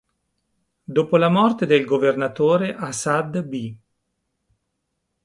Dopo la morte del governatore Asad b.